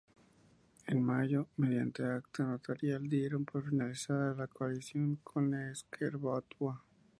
En mayo, mediante acta notarial, dieron por finalizada la coalición con Ezker Batua.